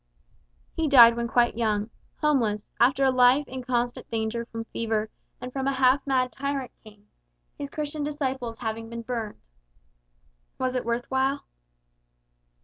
He died when quite young; homeless, after a life in constant danger from fever and from a half mad tyrant king his Christian disciples having been burned. Was it worth while?